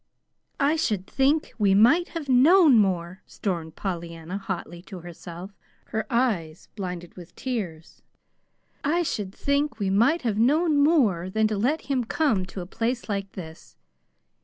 "I should think we might have known more," stormed Pollyanna hotly to herself, her eyes blinded with tears. "I should think we might have known more than to have let him come to a place like this.